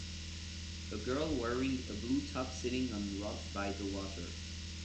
A girl wearing a blue top sitting on rocks by the water